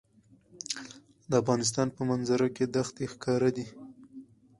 د افغانستان په منظره کې دښتې ښکاره ده.